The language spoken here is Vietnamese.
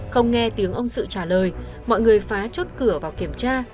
không nghe tiếng ông sự trả lời mọi người phá chốt cửa vào kiểm tra